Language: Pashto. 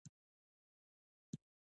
څراغ د ده په لاس روښانه شو.